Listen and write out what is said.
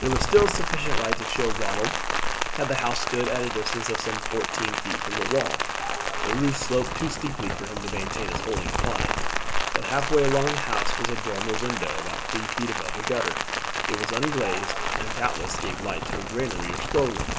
There was still sufficient light to show Ronald that the house stood at a distance of some fourteen feet from the wall. The roof sloped too steeply for him to maintain his holding upon it; but halfway along the house was a dormer window about three feet above the gutter. It was unglazed, and doubtless gave light to a granary or store room.